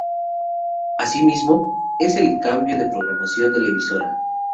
Asimismo, es el cambio de programación de la emisora.